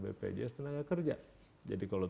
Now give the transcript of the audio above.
bpjs tenaga kerja jadi kalau